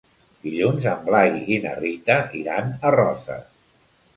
Dilluns en Blai i na Rita iran a Roses.